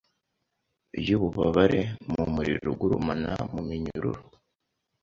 yububabare mumuriro ugurumana muminyururu